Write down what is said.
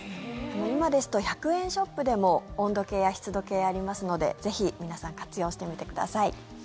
今ですと１００円ショップでも温度計や湿度計ありますのでぜひ皆さん活用してみてください。